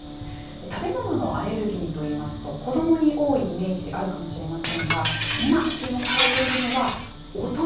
食べ物のアレルギーといいますと子どもに多いイメージあるかもしれませんが今、注目されているのは、大人。